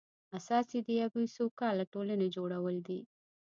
اساس یې د یوې سوکاله ټولنې جوړول دي.